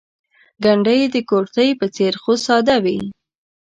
ګنډۍ د کورتۍ په څېر خو ساده وي.